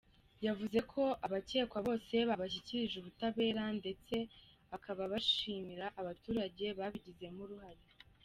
Yavuze ko abakekwa bose babashyikirije ubutabera ndetse akaba ashimira abaturage babigizemo uruhare.